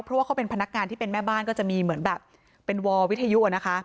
เพราะว่าเขาเป็นพนักงานที่เป็นแม่บ้านก็จะมีเหมือนแบบเป็นวอวิทยุนะคะ